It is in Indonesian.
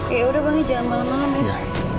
ya udah banget jangan malem malem ya